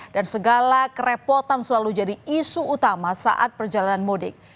dan segala kerepotan selalu jadi isu utama saat perjalanan mudik